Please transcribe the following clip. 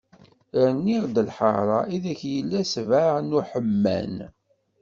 Rniɣ-d lḥara, i deg yella sbeɛ n uḥeman.